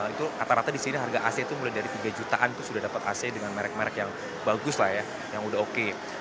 itu rata rata di sini harga ac itu mulai dari tiga jutaan itu sudah dapat ac dengan merek merek yang bagus lah ya yang udah oke